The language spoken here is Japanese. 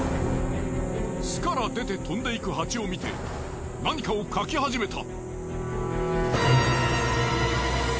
巣から出て飛んでいくハチを見て何かを書き始めた。